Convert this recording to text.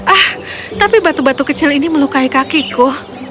ah tapi batu batu kecil ini melukai kakiku